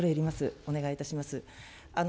お願いいたします。